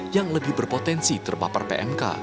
yang lebih berpotensi terpapar pmk